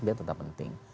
dia tetap penting